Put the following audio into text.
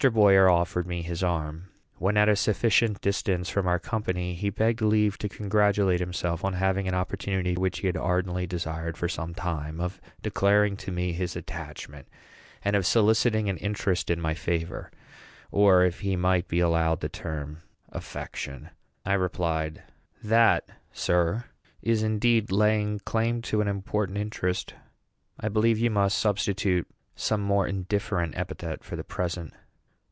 Boyer offered me his arm. When at a sufficient distance from our company, he begged leave to congratulate himself on having an opportunity, which he had ardently desired for some time, of declaring to me his attachment, and of soliciting an interest in my favor; or, if he might be allowed the term, affection. I replied, "That, sir, is indeed laying claim to an important interest. I believe you must substitute some more indifferent epithet for the present."